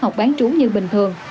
học bán chú như bình thường